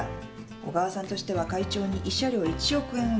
小川さんとしては会長に慰謝料１億円を要求したい」ねえ。